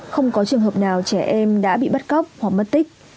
không có trường hợp nào trẻ em đã bị bắt cóc hoặc mất tích